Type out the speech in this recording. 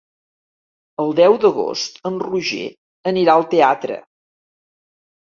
El deu d'agost en Roger anirà al teatre.